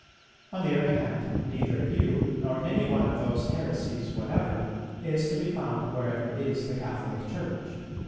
On the other hand, neither you, nor any one of those heresies whatever, is to be found wherever is the Catholic Church.